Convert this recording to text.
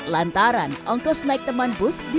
lantaran ongkos naik teman bus